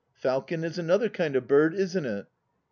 "Falcon" is another kind of bird, isn't it?